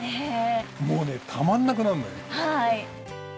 もうねたまんなくなるのよ。